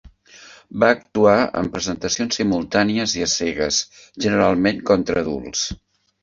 Va actuar en presentacions simultànies i a cegues, generalment contra adults.